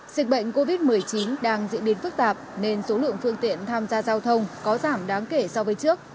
dịch bệnh covid một mươi chín đang diễn biến phức tạp nên số lượng phương tiện tham gia giao thông có giảm đáng kể so với trước